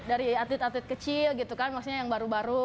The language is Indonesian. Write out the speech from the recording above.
dari atlet atlet kecil gitu kan maksudnya yang baru baru